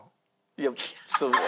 いやちょっと。